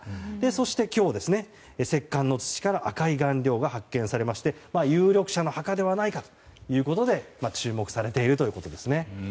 そして今日、石棺の土から赤い顔料が発見されまして有力者の墓ではないかということで注目されているということです。